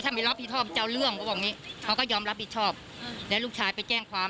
ถ้าไม่รับผิดชอบจะเอาเรื่องเขาบอกอย่างนี้เขาก็ยอมรับผิดชอบแล้วลูกชายไปแจ้งความ